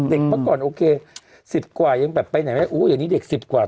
เด็กเมื่อก่อนสิบกว่ายังแบบไปไหนแม่อุ้ยอย่างนี้เด็กสิบกว่า